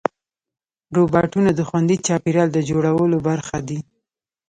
روبوټونه د خوندي چاپېریال د جوړولو برخه دي.